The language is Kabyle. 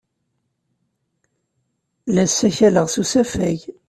La ssakaleɣ s usafag.